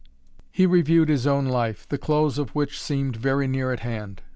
He reviewed his own life, the close of which seemed very near at hand.